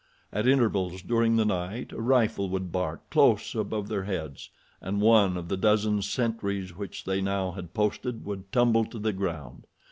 At intervals during the night a rifle would bark close above their heads, and one of the dozen sentries which they now had posted would tumble to the ground.